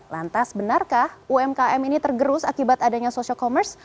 lantas benarkah umkm ini tergerus akibat adanya social commerce